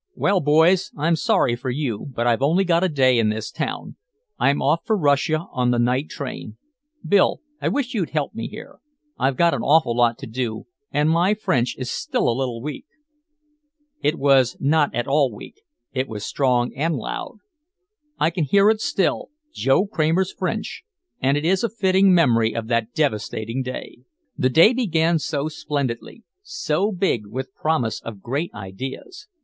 "Well, boys, I'm sorry for you, but I've only got a day in this town, I'm off for Russia on the night train. Bill, I wish you'd help me here. I've got an awful lot to do and my French is still a little weak." It was not at all weak, it was strong and loud. I can hear it still, Joe Kramer's French, and it is a fitting memory of that devastating day. The day began so splendidly, so big with promise of great ideas.